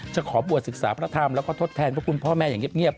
ขอบวชศึกษาพระธรรมแล้วก็ทดแทนพระคุณพ่อแม่อย่างเงียบ